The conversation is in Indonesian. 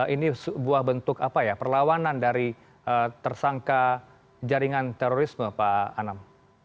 ini sebuah bentuk apa ya perlawanan dari tersangka jaringan terorisme pak anam